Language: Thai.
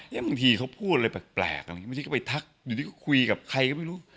บางทีเขาพูดอะไรแบบแปลกไม่ที่ก็ไปทักอยู่ที่ก็คุยกับใครก็ไม่รู้